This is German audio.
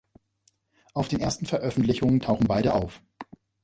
Auf den ersten Veröffentlichungen tauchen beide auf.